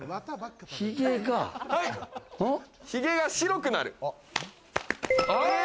ヒゲが白くなる。